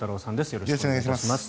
よろしくお願いします。